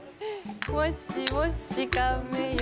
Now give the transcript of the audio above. もしもしカメよ